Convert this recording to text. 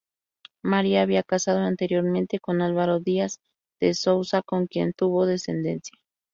María había casado anteriormente con Álvaro Díaz de Sousa con quien tuvo descendencia.